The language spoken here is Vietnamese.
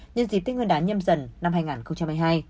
nhân dịp tết nguyên đán nhâm dần năm hai nghìn hai mươi hai